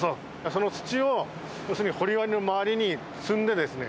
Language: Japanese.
その土を要するに堀の周りに積んでですね